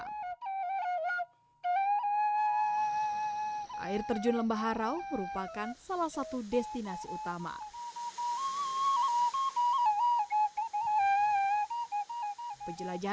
air terjun lembaharau merupakan salah satu desa